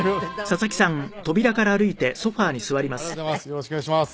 よろしくお願いします。